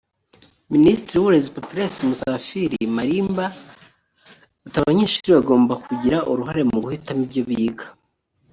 Minisitiri w’Uburezi Papias Musafiri Malimba ati “Abanyeshuri bagomba kugira uruhare mu guhitamo ibyo biga